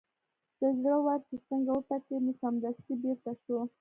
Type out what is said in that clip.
د زړه ور چې څنګه وټکېد نو سمدستي بېرته شو.